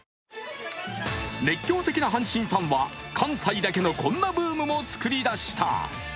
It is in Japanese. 熱狂的な阪神ファンは関西だけのこんなブームも作り出した。